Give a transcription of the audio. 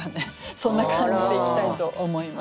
そんな感じでいきたいと思います。